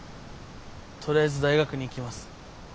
とりあえず大学に行きます。